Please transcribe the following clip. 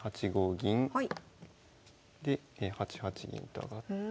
で８八銀と上がって。